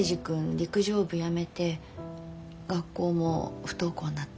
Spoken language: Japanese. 陸上部やめて学校も不登校になってって。